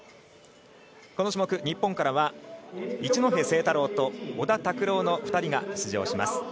この種目、日本からは一戸誠太郎と小田卓朗の２人が出場します。